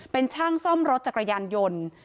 เป็นช่างซ่อมรถจักรยานยนต์